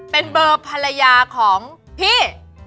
เป็นเบอร์ภรรยาของพี่